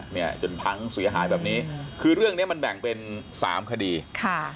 เนี่ยจนพังเสียหายแบบนี้คือเรื่องเนี้ยมันแบ่งเป็นสามคดีค่ะ